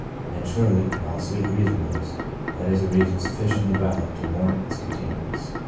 And, surely, in all sweet reasonableness, that is a reason suf ficiently valid to warrant its continuance.